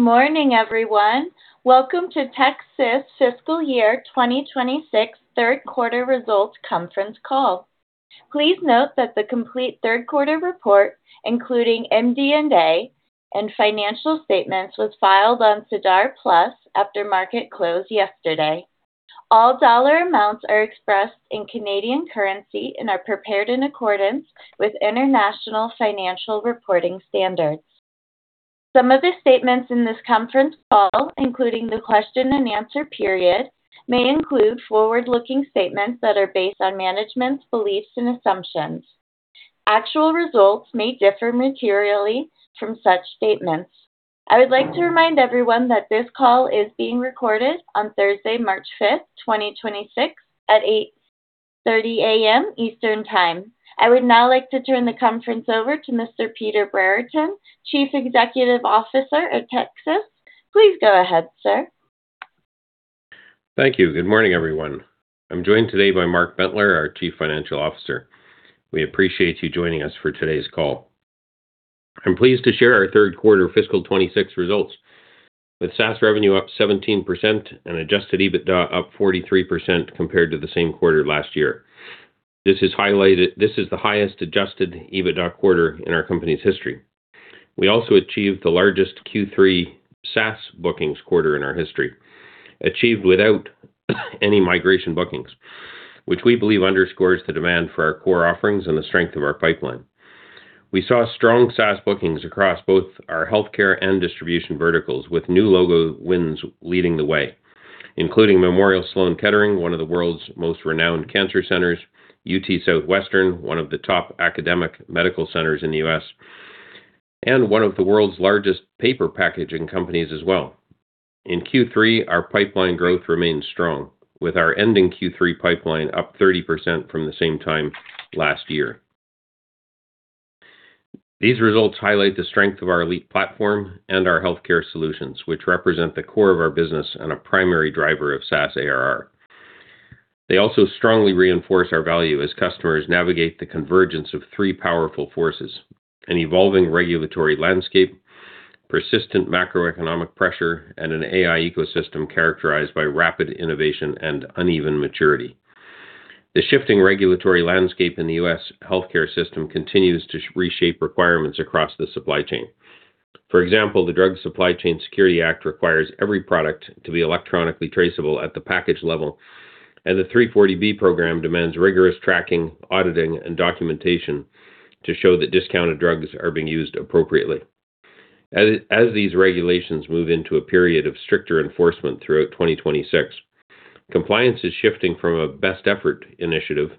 Good morning, everyone. Welcome to Tecsys Fiscal Year 2026 3rd quarter results conference call. Please note that the complete 3rd quarter report, including MD&A and financial statements, was filed on SEDAR+ after market close yesterday. All dollar amounts are expressed in Canadian currency and are prepared in accordance with International Financial Reporting Standards. Some of the statements in this conference call, including the question and answer period, may include forward-looking statements that are based on management's beliefs and assumptions. Actual results may differ materially from such statements. I would like to remind everyone that this call is being recorded on Thursday, March 5th, 2026 at 8:30 A.M. Eastern Time. I would now like to turn the conference over to Mr. Peter Brereton, Chief Executive Officer of Tecsys. Please go ahead, sir. Thank you. Good morning, everyone. I'm joined today by Mark Bentler, our Chief Financial Officer. We appreciate you joining us for today's call. I'm pleased to share our third quarter fiscal 26 results with SaaS revenue up 17% and adjusted EBITDA up 43% compared to the same quarter last year. This is the highest adjusted EBITDA quarter in our company's history. We also achieved the largest Q3 SaaS bookings quarter in our history, achieved without any migration bookings, which we believe underscores the demand for our core offerings and the strength of our pipeline. We saw strong SaaS bookings across both our healthcare and distribution verticals, with new logo wins leading the way, including Memorial Sloan Kettering, one of the world's most renowned cancer centers, UT Southwestern, one of the top academic medical centers in the U.S., and one of the world's largest paper packaging companies as well. In Q3, our pipeline growth remains strong, with our ending Q3 pipeline up 30% from the same time last year. These results highlight the strength of our LEAP platform and our healthcare solutions, which represent the core of our business and a primary driver of SaaS ARR. They also strongly reinforce our value as customers navigate the convergence of three powerful forces: an evolving regulatory landscape, persistent macroeconomic pressure, and an AI ecosystem characterized by rapid innovation and uneven maturity. The shifting regulatory landscape in the U.S. healthcare system continues to reshape requirements across the supply chain. For example, the Drug Supply Chain Security Act requires every product to be electronically traceable at the package level, and the 340B Program demands rigorous tracking, auditing, and documentation to show that discounted drugs are being used appropriately. As these regulations move into a period of stricter enforcement throughout 2026, compliance is shifting from a best effort initiative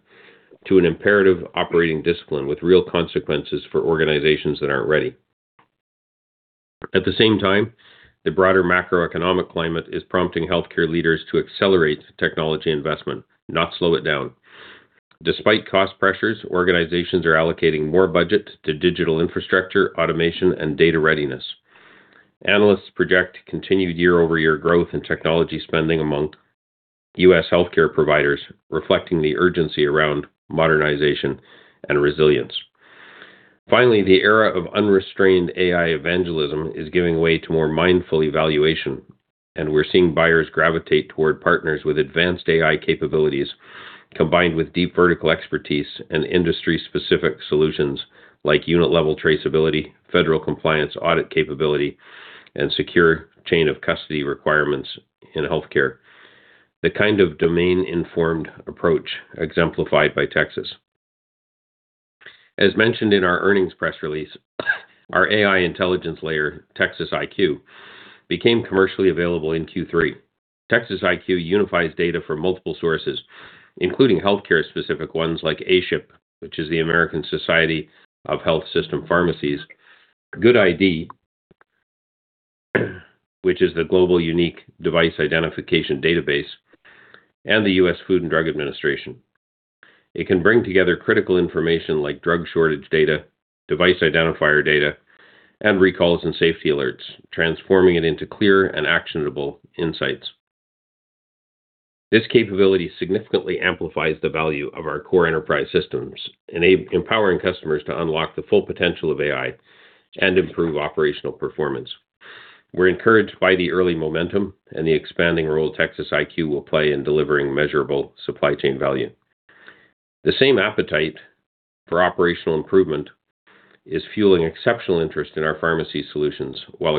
to an imperative operating discipline with real consequences for organizations that aren't ready. At the same time, the broader macroeconomic climate is prompting healthcare leaders to accelerate technology investment, not slow it down. Despite cost pressures, organizations are allocating more budget to digital infrastructure, automation, and data readiness. Analysts project continued year-over-year growth in technology spending among U.S. healthcare providers, reflecting the urgency around modernization and resilience. Finally, the era of unrestrained AI evangelism is giving way to more mindful evaluation, and we're seeing buyers gravitate toward partners with advanced AI capabilities combined with deep vertical expertise and industry-specific solutions like unit level traceability, federal compliance audit capability, and secure chain of custody requirements in healthcare. The kind of domain-informed approach exemplified by Tecsys. As mentioned in our earnings press release, our AI intelligence layer, TecsysIQ, became commercially available in Q3. TecsysIQ unifies data from multiple sources, including healthcare-specific ones like ASHP, which is the American Society of Health-System Pharmacists, GUDID, which is the Global Unique Device Identification Database, and the U.S. Food and Drug Administration. It can bring together critical information like drug shortage data, device identifier data, and recalls and safety alerts, transforming it into clear and actionable insights. This capability significantly amplifies the value of our core enterprise systems, empowering customers to unlock the full potential of AI and improve operational performance. We're encouraged by the early momentum and the expanding role TecsysIQ will play in delivering measurable supply chain value. The same appetite for operational improvement is fueling exceptional interest in our pharmacy solutions while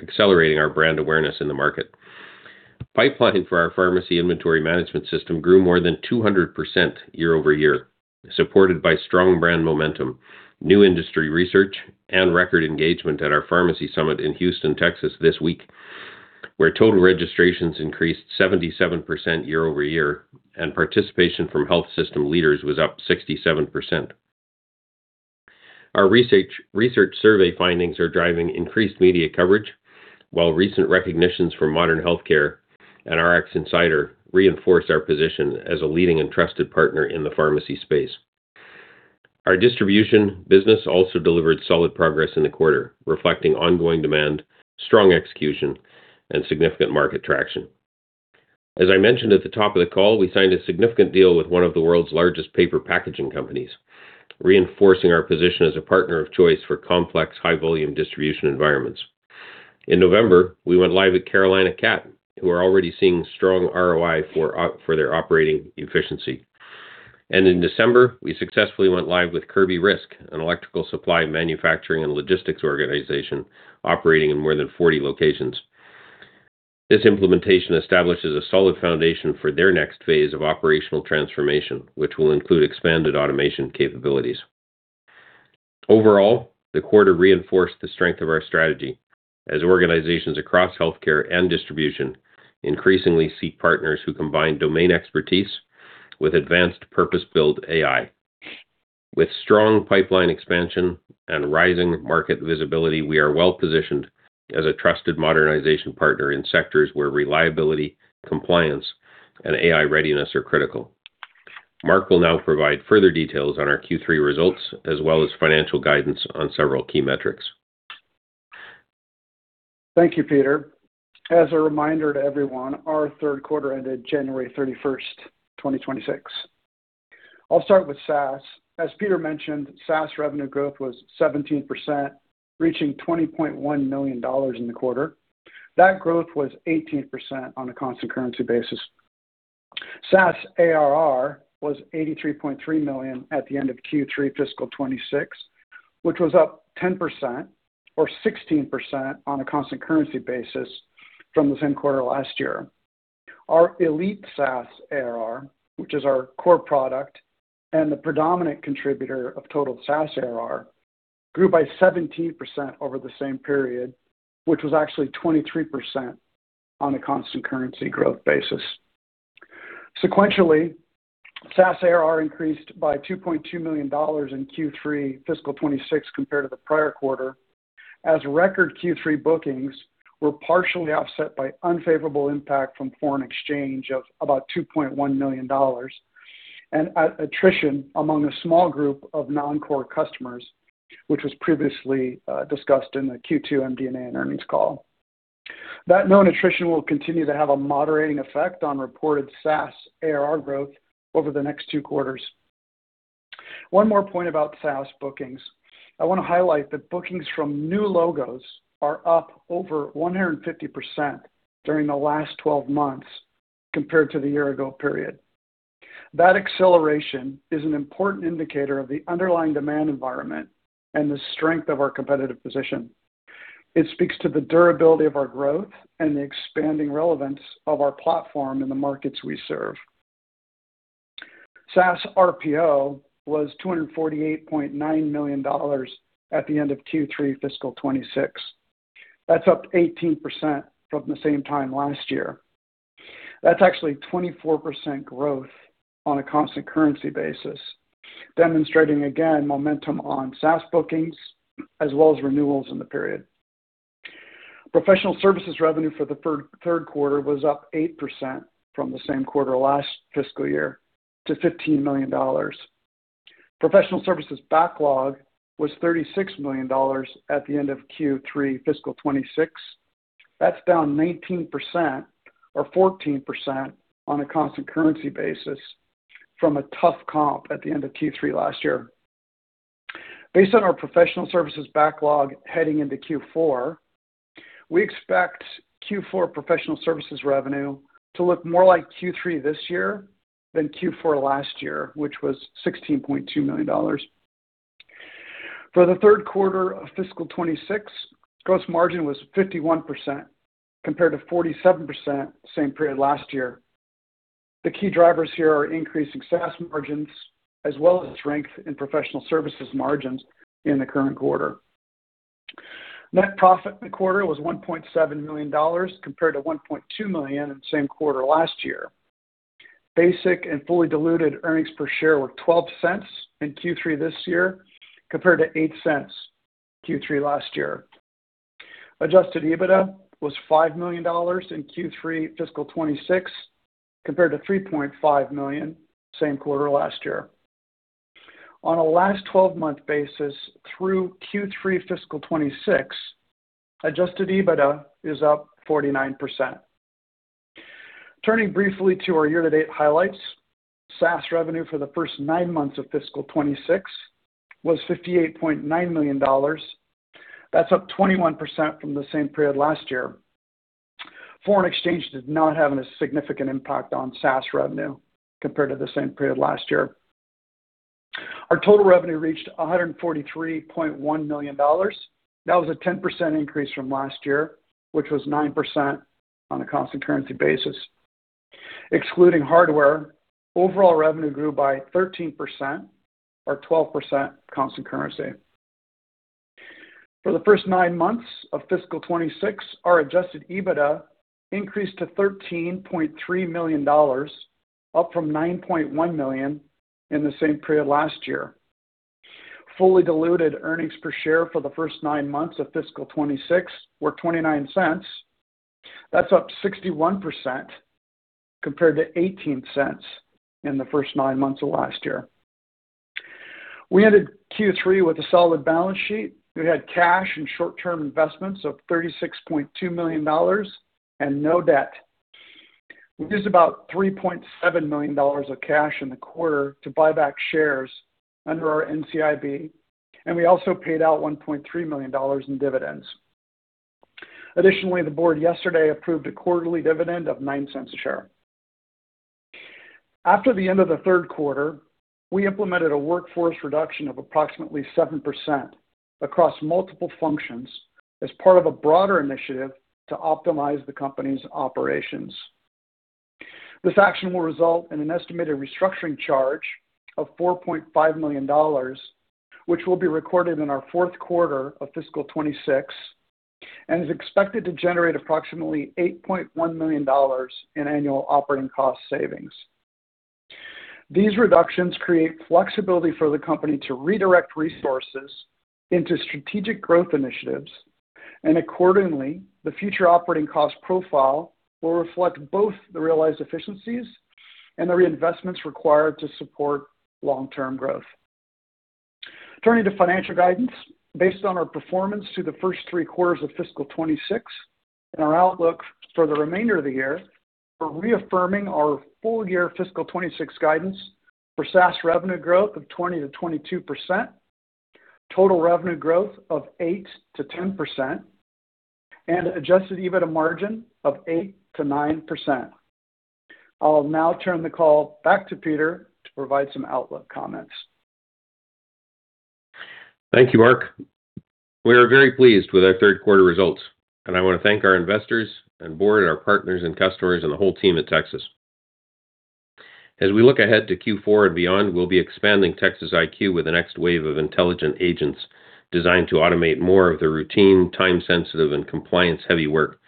accelerating our brand awareness in the market. Pipeline for our pharmacy inventory management system grew more than 200% year-over-year, supported by strong brand momentum, new industry research, and record engagement at our pharmacy summit in Houston, Texas this week, where total registrations increased 77% year-over-year and participation from health system leaders was up 67%. Our research survey findings are driving increased media coverage, while recent recognitions from Modern Healthcare and RXinsider reinforce our position as a leading and trusted partner in the pharmacy space. Our distribution business also delivered solid progress in the quarter, reflecting ongoing demand, strong execution, and significant market traction. As I mentioned at the top of the call, we signed a significant deal with one of the world's largest paper packaging companies, reinforcing our position as a partner of choice for complex high-volume distribution environments. In November, we went live with Carolina Cat, who are already seeing strong ROI for their operating efficiency. In December, we successfully went live with Kirby Risk, an electrical supply, manufacturing, and logistics organization operating in more than 40 locations. This implementation establishes a solid foundation for their next phase of operational transformation, which will include expanded automation capabilities. Overall, the quarter reinforced the strength of our strategy as organizations across healthcare and distribution increasingly seek partners who combine domain expertise with advanced purpose-built AI. With strong pipeline expansion and rising market visibility, we are well-positioned as a trusted modernization partner in sectors where reliability, compliance, and AI readiness are critical. Mark will now provide further details on our Q3 results as well as financial guidance on several key metrics. Thank you, Peter. As a reminder to everyone, our third quarter ended January 31st, 2026. I'll start with SaaS. As Peter mentioned, SaaS revenue growth was 17%, reaching $20.1 million in the quarter. That growth was 18% on a constant currency basis. SaaS ARR was $83.3 million at the end of Q3 fiscal 2026, which was up 10% or 16% on a constant currency basis from the same quarter last year. Our Elite SaaS ARR, which is our core product and the predominant contributor of total SaaS ARR, grew by 17% over the same period, which was actually 23% on a constant currency growth basis. Sequentially, SaaS ARR increased by $2.2 million in Q3 fiscal 2026 compared to the prior quarter, as record Q3 bookings were partially offset by unfavorable impact from foreign exchange of about $2.1 million and at attrition among a small group of non-core customers, which was previously discussed in the Q2 MD&A and earnings call. That known attrition will continue to have a moderating effect on reported SaaS ARR growth over the next two quarters. One more point about SaaS bookings. I wanna highlight that bookings from new logos are up over 150% during the last 12 months compared to the year ago period. That acceleration is an important indicator of the underlying demand environment and the strength of our competitive position. It speaks to the durability of our growth and the expanding relevance of our platform in the markets we serve. SaaS RPO was 248.9 million dollars at the end of Q3 fiscal 2026. That's up 18% from the same time last year. That's actually 24% growth on a constant currency basis, demonstrating again momentum on SaaS bookings as well as renewals in the period. Professional services revenue for the third quarter was up 8% from the same quarter last fiscal year to 15 million dollars. Professional services backlog was 36 million dollars at the end of Q3 fiscal 2026. That's down 19% or 14% on a constant currency basis from a tough comp at the end of Q3 last year. Based on our professional services backlog heading into Q4, we expect Q4 professional services revenue to look more like Q3 this year than Q4 last year, which was 16.2 million dollars. For the third quarter of fiscal 2026, gross margin was 51% compared to 47% same period last year. The key drivers here are increasing SaaS margins as well as strength in professional services margins in the current quarter. Net profit in the quarter was 1.7 million dollars compared to 1.2 million in the same quarter last year. Basic and fully diluted earnings per share were 0.12 in Q3 this year compared to 0.08 Q3 last year. Adjusted EBITDA was 5 million dollars in Q3 fiscal 2026 compared to 3.5 million same quarter last year. On a last twelve-month basis through Q3 fiscal 2026, adjusted EBITDA is up 49%. Turning briefly to our year-to-date highlights. SaaS revenue for the first nine months of fiscal 2026 was 58.9 million dollars. That's up 21% from the same period last year. Foreign exchange did not have a significant impact on SaaS revenue compared to the same period last year. Our total revenue reached 143.1 million dollars. That was a 10% increase from last year, which was 9% on a constant currency basis. Excluding hardware, overall revenue grew by 13% or 12% constant currency. For the first nine months of fiscal 2026, our adjusted EBITDA increased to 13.3 million dollars, up from 9.1 million in the same period last year. Fully diluted earnings per share for the first nine months of fiscal 2026 were 0.29. That's up 61% compared to 0.18 in the first nine months of last year. We ended Q3 with a solid balance sheet. We had cash and short-term investments of 36.2 million dollars and no debt. We used about 3.7 million dollars of cash in the quarter to buy back shares under our NCIB, and we also paid out 1.3 million dollars in dividends. Additionally, the board yesterday approved a quarterly dividend of 0.09 a share. After the end of the third quarter, we implemented a workforce reduction of approximately 7% across multiple functions as part of a broader initiative to optimize the company's operations. This action will result in an estimated restructuring charge of 4.5 million dollars, which will be recorded in our fourth quarter of fiscal 2026 and is expected to generate approximately 8.1 million dollars in annual operating cost savings. These reductions create flexibility for the company to redirect resources into strategic growth initiatives. Accordingly, the future operating cost profile will reflect both the realized efficiencies and the reinvestments required to support long-term growth. Turning to financial guidance. Based on our performance through the first three quarters of fiscal 2026 and our outlook for the remainder of the year, we're reaffirming our full-year fiscal 2026 guidance for SaaS revenue growth of 20%-22%, total revenue growth of 8%-10%, and adjusted EBITDA margin of 8%-9%. I'll now turn the call back to Peter to provide some outlook comments. Thank you, Mark. We are very pleased with our third quarter results. I want to thank our investors and board, our partners and customers, and the whole team at Tecsys. As we look ahead to Q4 and beyond, we'll be expanding TecsysIQ with the next wave of intelligent agents designed to automate more of the routine, time-sensitive, and compliance-heavy work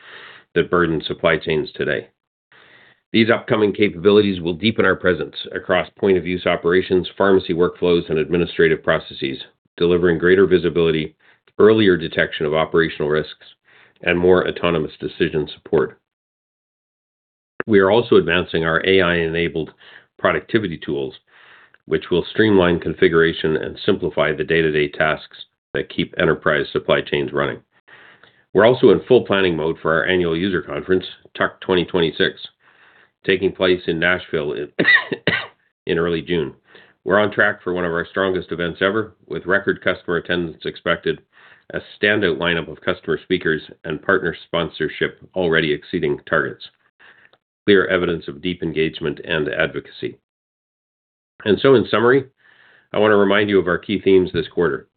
that burden supply chains today. These upcoming capabilities will deepen our presence across point-of-use operations, pharmacy workflows, and administrative processes, delivering greater visibility, earlier detection of operational risks, and more autonomous decision support. We are also advancing our AI-enabled productivity tools, which will streamline configuration and simplify the day-to-day tasks that keep enterprise supply chains running. We're also in full planning mode for our annual user conference, TUC 2026, taking place in Nashville in early June. We're on track for one of our strongest events ever, with record customer attendance expected, a standout lineup of customer speakers, and partner sponsorship already exceeding targets. Clear evidence of deep engagement and advocacy. In summary, I want to remind you of our key themes this quarter.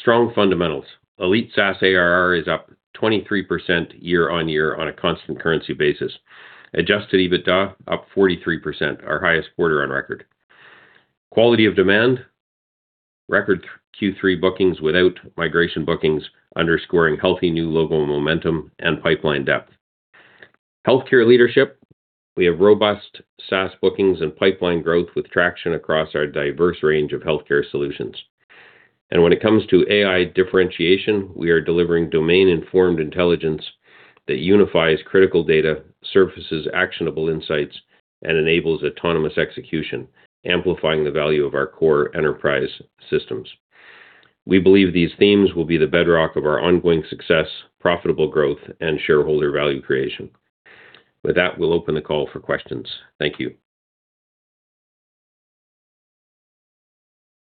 Strong fundamentals. Elite SaaS ARR is up 23% year-over-year on a constant currency basis. Adjusted EBITDA up 43%, our highest quarter on record. Quality of demand, record Q3 bookings without migration bookings, underscoring healthy new logo momentum and pipeline depth. Healthcare leadership, we have robust SaaS bookings and pipeline growth with traction across our diverse range of healthcare solutions. When it comes to AI differentiation, we are delivering domain-informed intelligence that unifies critical data, surfaces actionable insights, and enables autonomous execution, amplifying the value of our core enterprise systems. We believe these themes will be the bedrock of our ongoing success, profitable growth, and shareholder value creation. With that, we'll open the call for questions. Thank you.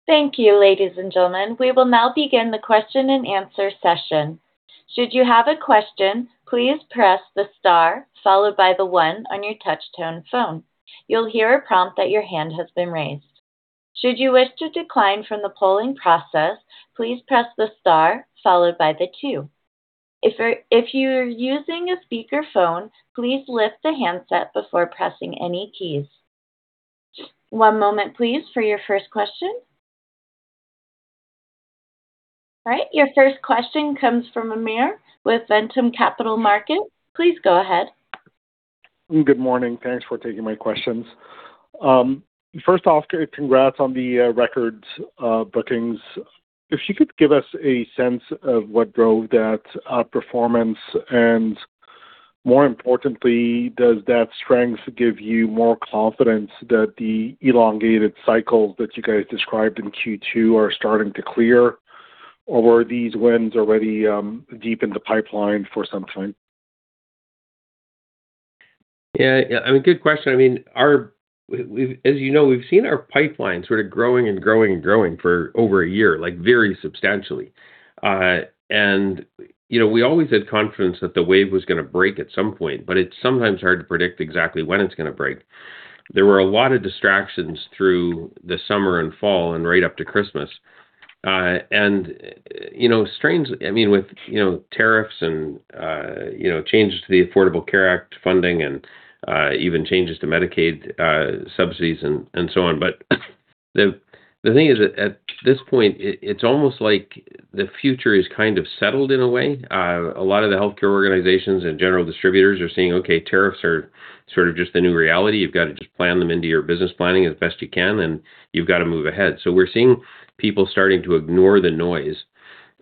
Thank you, ladies and gentlemen. We will now begin the question and answer session. Should you have a question, please press the star followed by the one on your touch-tone phone. You'll hear a prompt that your hand has been raised. Should you wish to decline from the polling process, please press the star followed by the two. If you are using a speakerphone, please lift the handset before pressing any keys. One moment please, for your first question. All right, your first question comes from Amir with Ventum Capital Markets. Please go ahead. Good morning. Thanks for taking my questions. First off, congrats on the records bookings. You could give us a sense of what drove that performance and more importantly, does that strength give you more confidence that the elongated cycles that you guys described in Q2 are starting to clear? Were these wins already deep in the pipeline for some time? Yeah, yeah, I mean, good question. I mean, We've As you know, we've seen our pipeline sort of growing and growing and growing for over a year, like, very substantially. you know, we always had confidence that the wave was gonna break at some point, but it's sometimes hard to predict exactly when it's gonna break. There were a lot of distractions through the summer and fall and right up to Christmas. you know, strange, I mean, with, you know, tariffs, you know, changes to the Affordable Care Act funding, even changes to Medicaid subsidies and so on. the thing is, at this point, it's almost like the future is kind of settled in a way. A lot of the healthcare organizations and general distributors are seeing, okay, tariffs are sort of just the new reality. You've got to just plan them into your business planning as best you can, and you've got to move ahead. We're seeing people starting to ignore the noise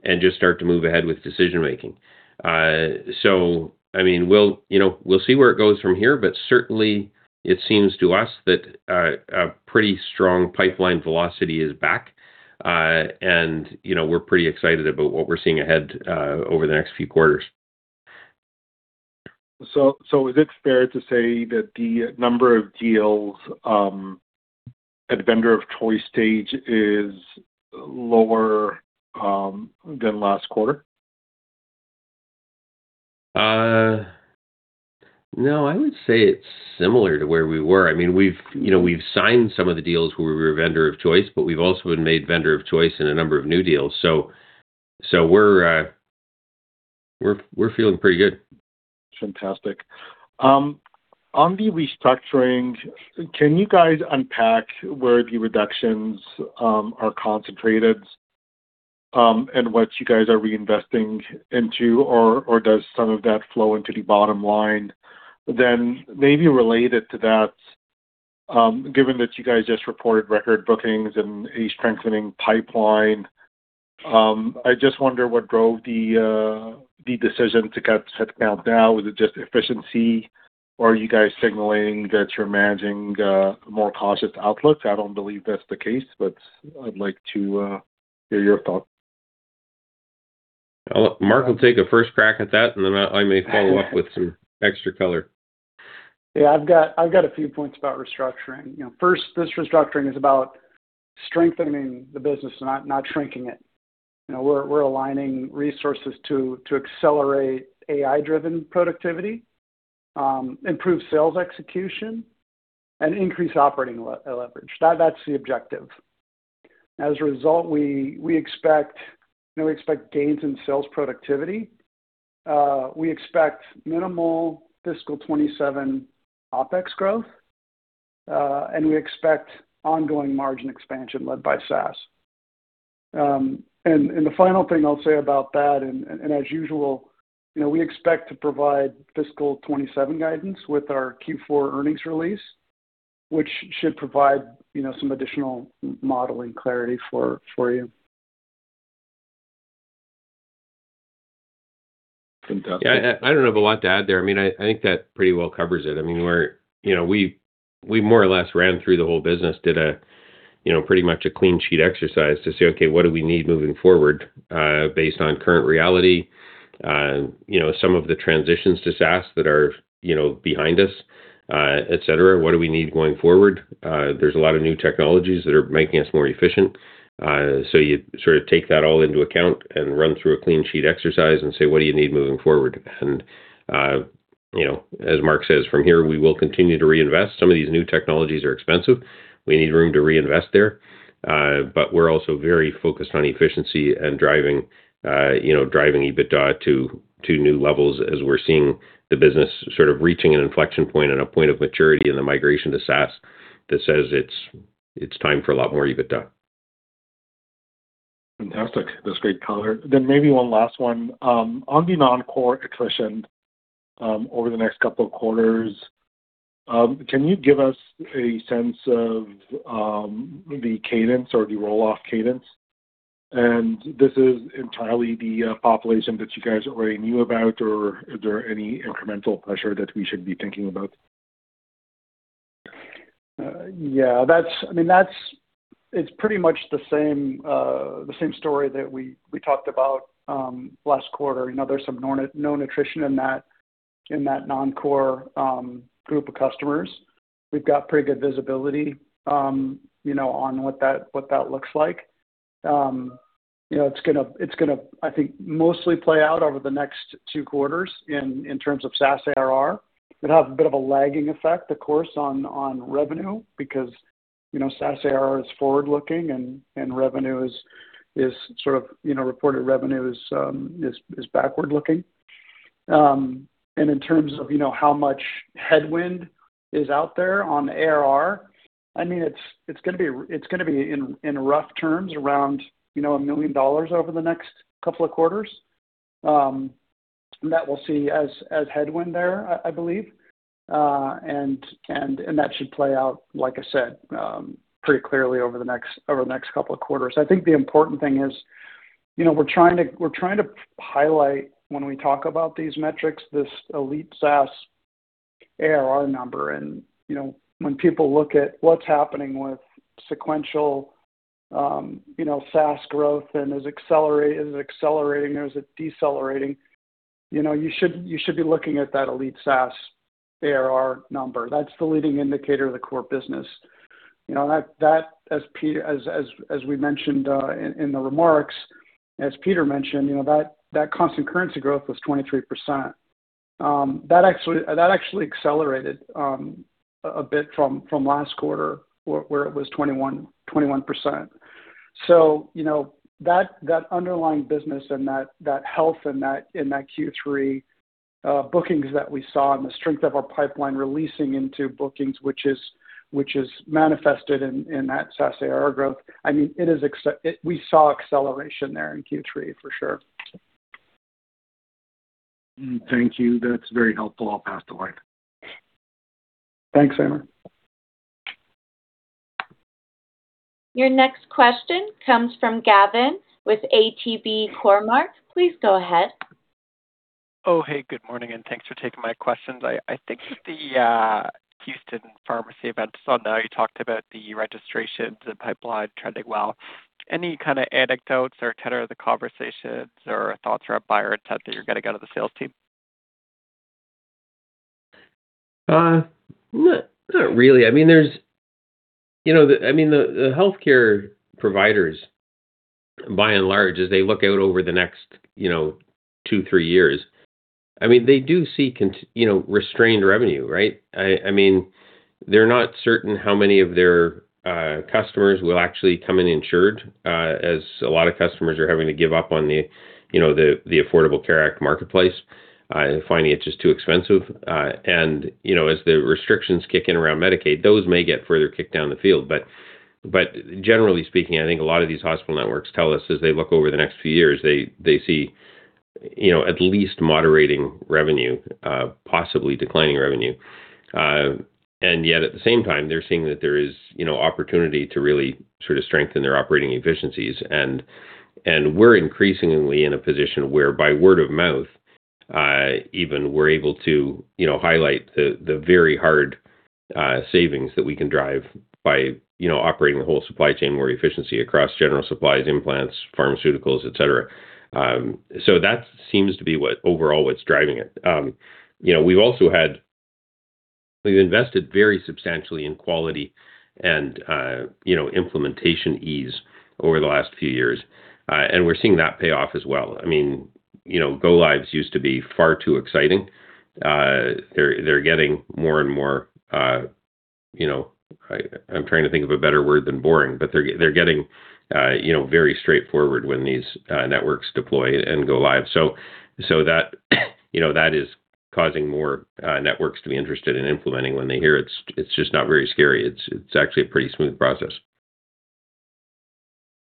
and just start to move ahead with decision making. I mean, we'll, you know, we'll see where it goes from here, but certainly it seems to us that a pretty strong pipeline velocity is back. You know, we're pretty excited about what we're seeing ahead over the next few quarters. Is it fair to say that the number of deals at vendor of choice stage is lower than last quarter? No, I would say it's similar to where we were. I mean, we've, you know, we've signed some of the deals where we were vendor of choice, but we've also been made vendor of choice in a number of new deals. We're feeling pretty good. Fantastic. On the restructuring, can you guys unpack where the reductions are concentrated and what you guys are reinvesting into? Or does some of that flow into the bottom line? Maybe related to that, given that you guys just reported record bookings and a strengthening pipeline, I just wonder what drove the decision to cut headcount now. Is it just efficiency, or are you guys signaling that you're managing more cautious outlooks? I don't believe that's the case, but I'd like to hear your thoughts. Mark will take a first crack at that, and then I may follow up with some extra color. Yeah, I've got a few points about restructuring. You know, first, this restructuring is about strengthening the business, not shrinking it. You know, we're aligning resources to accelerate AI-driven productivity, improve sales execution, and increase operating leverage. That's the objective. As a result, we expect, you know, we expect gains in sales productivity. We expect minimal fiscal 2027 OpEx growth, and we expect ongoing margin expansion led by SaaS. And the final thing I'll say about that, and as usual, you know, we expect to provide fiscal 2027 guidance with our Q4 earnings release, which should provide, you know, some additional modeling clarity for you. Fantastic. Yeah. I don't have a lot to add there. I mean, I think that pretty well covers it. I mean, you know, we more or less ran through the whole business, did a, you know, pretty much a clean sheet exercise to say, "Okay, what do we need moving forward, based on current reality?" You know, some of the transitions to SaaS that are, you know, behind us, et cetera. What do we need going forward? There's a lot of new technologies that are making us more efficient. You sort of take that all into account and run through a clean sheet exercise and say, "What do you need moving forward?" You know, as Mark says, from here, we will continue to reinvest. Some of these new technologies are expensive. We need room to reinvest there. We're also very focused on efficiency and driving, you know, driving EBITDA to new levels as we're seeing the business sort of reaching an inflection point and a point of maturity in the migration to SaaS that says it's time for a lot more EBITDA. Fantastic. That's great color. Maybe one last one. On the non-core attrition, over the next couple of quarters, can you give us a sense of the cadence or the roll-off cadence? This is entirely the population that you guys already knew about, or is there any incremental pressure that we should be thinking about? Yeah. I mean, that's pretty much the same story that we talked about last quarter. You know, there's some known attrition in that, in that non-core group of customers. We've got pretty good visibility, you know, on what that, what that looks like. You know, it's gonna, I think, mostly play out over the next two quarters in terms of SaaS ARR. It'll have a bit of a lagging effect, of course, on revenue because, you know, SaaS ARR is forward-looking and revenue is sort of, you know, reported revenue is backward-looking. In terms of, you know, how much headwind is out there on the ARR, I mean, it's gonna be in rough terms around, you know, 1 million dollars over the next couple of quarters that we'll see as headwind there, I believe. That should play out, like I said, pretty clearly over the next couple of quarters. I think the important thing is, you know, we're trying to highlight when we talk about these metrics, this Elite SaaS ARR number. You know, when people look at what's happening with sequential, you know, SaaS growth and is it accelerating or is it decelerating? You know, you should be looking at that Elite SaaS ARR number. That's the leading indicator of the core business. You know, that, as we mentioned, in the remarks, as Peter mentioned, you know, that constant currency growth was 23%. That actually accelerated a bit from last quarter where it was 21%. You know, that underlying business and that health in that Q3 bookings that we saw and the strength of our pipeline releasing into bookings, which is manifested in that SaaS ARR growth, I mean, we saw acceleration there in Q3 for sure. Thank you. That's very helpful. I'll pass to Mark. Thanks, Amir. Your next question comes from Gavin with ATB Cormark. Please go ahead. Hey, good morning, thanks for taking my questions. I think with the Houston pharmacy event saw now, you talked about the registrations and pipeline trending well. Any kind of anecdotes or tenor of the conversations or thoughts or a buyer intent that you're getting out of the sales team? Not, not really. I mean, there's... You know, the, I mean, the healthcare providers, by and large, as they look out over the next, you know, two, three years, I mean, they do see, you know, restrained revenue, right? I mean, they're not certain how many of their customers will actually come in insured, as a lot of customers are having to give up on the, you know, the Affordable Care Act marketplace, finding it just too expensive. You know, as the restrictions kick in around Medicaid, those may get further kicked down the field. Generally speaking, I think a lot of these hospital networks tell us as they look over the next few years, they see, you know, at least moderating revenue, possibly declining revenue. Yet, at the same time, they're seeing that there is, you know, opportunity to really sort of strengthen their operating efficiencies. We're increasingly in a position where, by word of mouth, even we're able to, you know, highlight the very hard savings that we can drive by, you know, operating the whole supply chain, more efficiency across general supplies, implants, pharmaceuticals, et cetera. That seems to be what, overall, what's driving it. You know, we've also invested very substantially in quality and, you know, implementation ease over the last few years, and we're seeing that pay off as well. I mean, you know, go lives used to be far too exciting. They're getting more and more, you know... I'm trying to think of a better word than boring, but they're getting, you know, very straightforward when these networks deploy and go live. That, you know, that is causing more networks to be interested in implementing when they hear it's just not very scary. It's actually a pretty smooth process.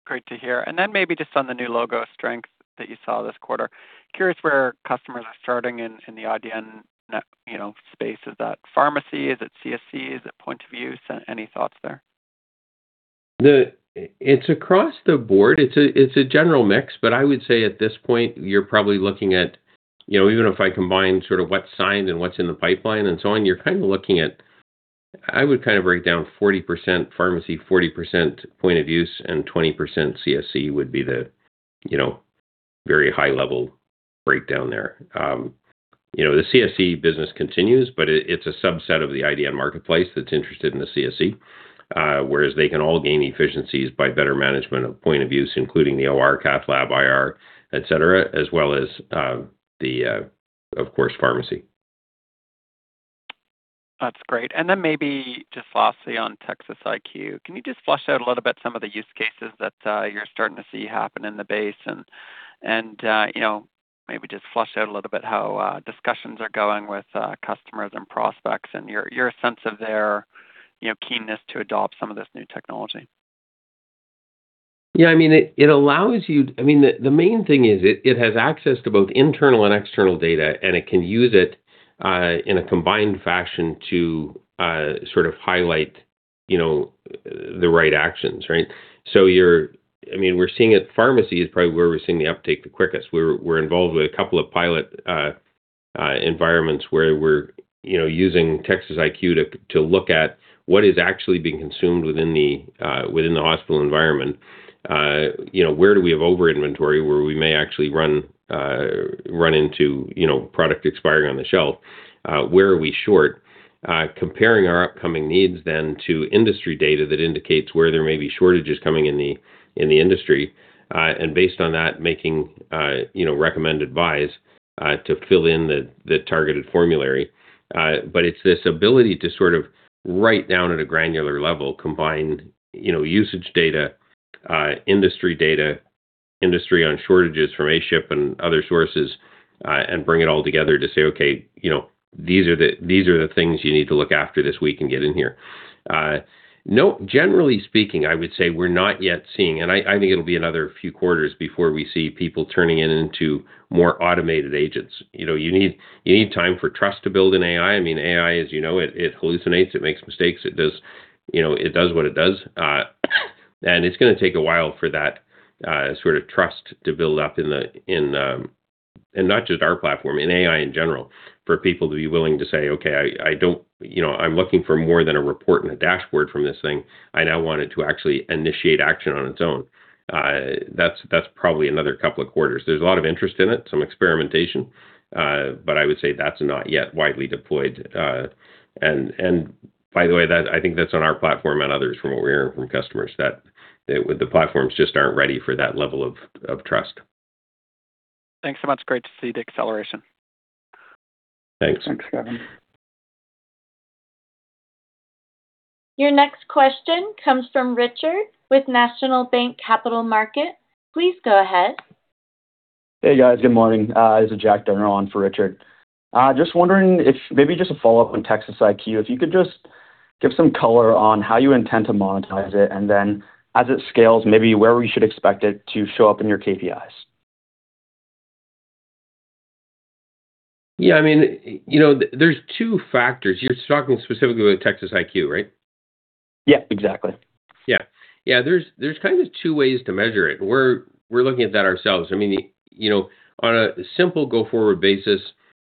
Great to hear. Maybe just on the new logo strength that you saw this quarter, curious where customers are starting in the IDN, you know, space. Is that pharmacy? Is it CSC? Is it point of use? Any thoughts there? It's across the board. It's a general mix, I would say at this point you're probably looking at, you know, even if I combine sort of what's signed and what's in the pipeline and so on, you're kind of looking at, I would kind of break down 40% pharmacy, 40% point of use, and 20% CSC would be the, you know, very high level breakdown there. You know, the CSC business continues, but it's a subset of the IDN marketplace that's interested in the CSC. Whereas they can all gain efficiencies by better management of point of use, including the OR, cath lab, IR, et cetera, as well as, of course, pharmacy. That's great. Maybe just lastly on TecsysIQ, can you just flesh out a little bit some of the use cases that you're starting to see happen in the base and, you know, maybe just flesh out a little bit how discussions are going with customers and prospects and your sense of their, you know, keenness to adopt some of this new technology? Yeah, I mean, it allows you. I mean, the main thing is it has access to both internal and external data, and it can use it in a combined fashion to sort of highlight, you know, the right actions, right? I mean, we're seeing it. Pharmacy is probably where we're seeing the uptake the quickest. We're involved with a couple of pilot environments where we're, you know, using TecsysIQ to look at what is actually being consumed within the hospital environment. You know, where do we have over inventory where we may actually run into, you know, product expiring on the shelf? Where are we short? Comparing our upcoming needs then to industry data that indicates where there may be shortages coming in the industry, and based on that, making, you know, recommended buys, to fill in the targeted formulary. It's this ability to sort of right down at a granular level combine, you know, usage data, industry data, industry on shortages from ASHP and other sources, and bring it all together to say, "Okay, you know, these are the, these are the things you need to look after this week and get in here." Generally speaking, I would say we're not yet seeing, and I think it'll be another few quarters before we see people turning it into more automated agents. You know, you need, you need time for trust to build in AI. I mean, AI, as you know, it hallucinates, it makes mistakes, it does, you know, it does what it does. It's gonna take a while for that sort of trust to build up in not just our platform, in AI in general, for people to be willing to say, "Okay, I don't... You know, I'm looking for more than a report and a dashboard from this thing. I now want it to actually initiate action on its own." That's probably another couple of quarters. There's a lot of interest in it, some experimentation, but I would say that's not yet widely deployed. By the way, I think that's on our platform and others from what we're hearing from customers, that the platforms just aren't ready for that level of trust. Thanks so much. Great to see the acceleration. Thanks. Thanks, Gavin. Your next question comes from Richard with National Bank Capital Markets. Please go ahead. Hey, guys. Good morning. This is Jack Burns on for Richard. Just wondering if maybe just a follow-up on TecsysIQ, if you could just give some color on how you intend to monetize it, and then as it scales, maybe where we should expect it to show up in your KPIs. Yeah, I mean, you know, there's 2 factors. You're talking specifically with TecsysIQ, right? Yeah, exactly. Yeah. Yeah, there's kind of two ways to measure it. We're looking at that ourselves. I mean, you know, on a simple go forward basis,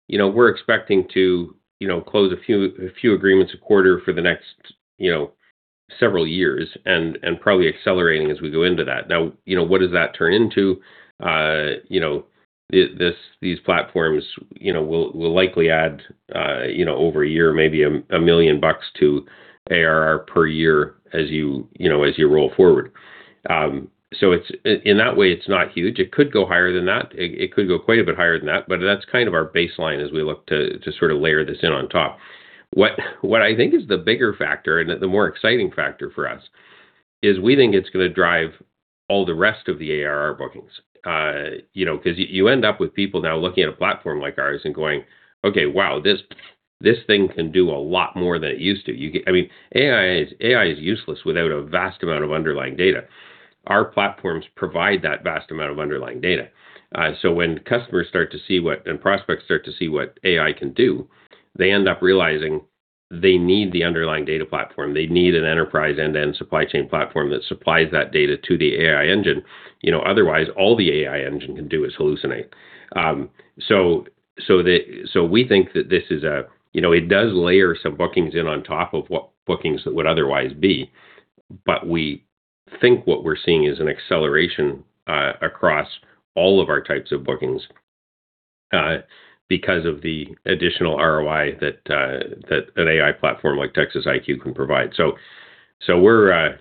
you know, we're expecting to, you know, close a few agreements a quarter for the next, you know, several years and probably accelerating as we go into that. Now, you know, what does that turn into? You know, this, these platforms, you know, will likely add, you know, over a year, maybe 1 million bucks to ARR per year as you know, as you roll forward. In that way, it's not huge. It could go higher than that. It could go quite a bit higher than that, but that's kind of our baseline as we look to sort of layer this in on top. What I think is the bigger factor and the more exciting factor for us is we think it's gonna drive all the rest of the ARR bookings. You know, you end up with people now looking at a platform like ours and going, "Okay, wow, this thing can do a lot more than it used to." I mean, AI is useless without a vast amount of underlying data. Our platforms provide that vast amount of underlying data. So when customers start to see what, and prospects start to see what AI can do, they end up realizing they need the underlying data platform. They need an enterprise and end supply chain platform that supplies that data to the AI engine. You know, otherwise, all the AI engine can do is hallucinate. We think that this is a, you know, it does layer some bookings in on top of what bookings would otherwise be, but we think what we're seeing is an acceleration across all of our types of bookings because of the additional ROI that an AI platform like TecsysIQ can provide. We're,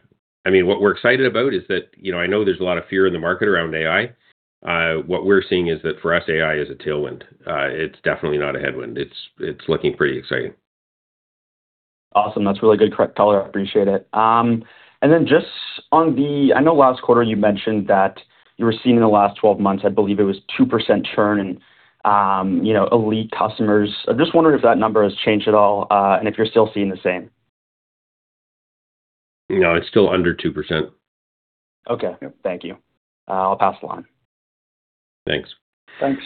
I mean, what we're excited about is that, you know, I know there's a lot of fear in the market around AI. What we're seeing is that for us, AI is a tailwind. It's definitely not a headwind. It's looking pretty exciting. Awesome. That's really good color. I appreciate it. Just I know last quarter you mentioned that you were seeing in the last 12 months, I believe it was 2% churn in, you know, Elite customers. I'm just wondering if that number has changed at all, and if you're still seeing the same. No, it's still under 2%. Okay. Thank you. I'll pass along. Thanks. Thanks.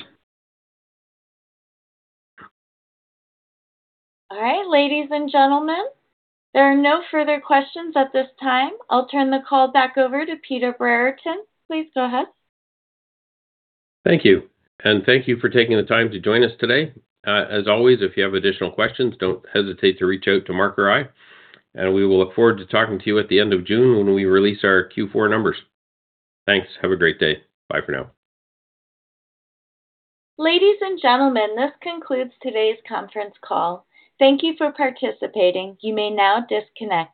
All right, ladies and gentlemen. There are no further questions at this time. I'll turn the call back over to Peter Brereton. Please go ahead. Thank you. Thank you for taking the time to join us today. As always, if you have additional questions, don't hesitate to reach out to Mark or I. We will look forward to talking to you at the end of June when we release our Q4 numbers. Thanks. Have a great day. Bye for now. Ladies and gentlemen, this concludes today's conference call. Thank you for participating. You may now disconnect.